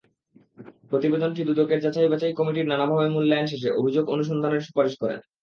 প্রতিবেদনটি দুদকের যাচাইবাছাই কমিটি নানাভাবে মূল্যায়ন শেষে অভিযোগ অনুসন্ধানের সুপারিশ করেন।